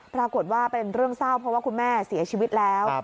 ปรากฏว่าเป็นเรื่องเศร้าเพราะว่าคุณแม่เสียชีวิตแล้ว